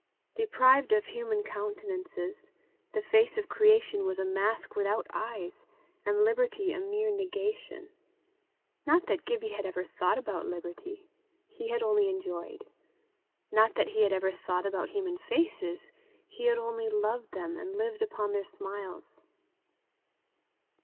Deprived of human countenances, the face of creation was a mask without eyes, and liberty a mere negation. Not that Gibbie had ever thought about liberty; he had only enjoyed: not that he had ever thought about human faces; he had only loved them, and lived upon their smiles.